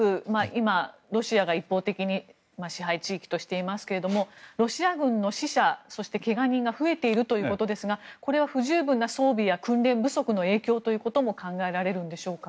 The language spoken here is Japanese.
今、ロシアが一方的に支配地域としていますがロシア軍の死者そして怪我人が増えているということですがこれは不十分な装備や訓練不足の影響ということも考えられるんでしょうか。